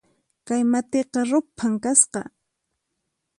Kay matiqa ruphan kasqa